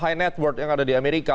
high network yang ada di amerika